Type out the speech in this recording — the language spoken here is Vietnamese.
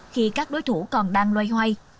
khi các đối thủ còn đang loay hoay